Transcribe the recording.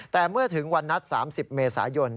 แต่เมื่อถึงวันนัด๓๐เมษายน